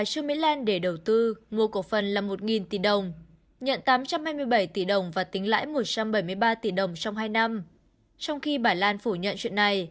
hãy đăng ký kênh để ủng hộ kênh của chúng mình nhé